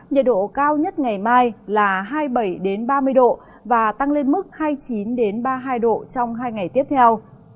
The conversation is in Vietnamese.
nhiệt độ cao nhất ngày mai là hai mươi bảy ba mươi độ và tăng lên mức hai mươi chín ba mươi hai độ trong hai ngày tiếp theo